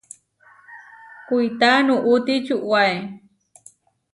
Kuitá nuʼuti čuʼwaé.